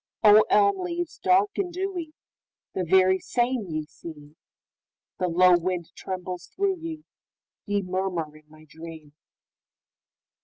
O, elm leaves dark and dewy, The very same ye seem, The low wind trembles through ye, Ye murmur in my dream!